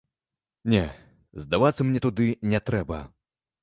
Не, здавацца мне туды не трэба.